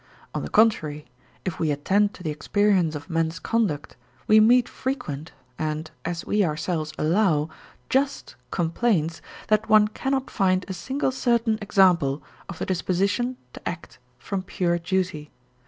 On the contrary, if we attend to the experience of men's conduct, we meet frequent and, as we ourselves allow, just complaints that one cannot find a single certain example of the disposition to act from pure duty.